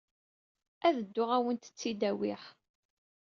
Ad dduɣ ad awent-tt-id-awiɣ.